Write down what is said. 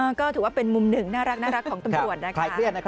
ก็ถือว่าเป็นมุมหนึ่งน่ารักของตำรวจนะคะ